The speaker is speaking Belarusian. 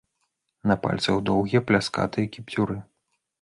На пальцах доўгія пляскатыя кіпцюры.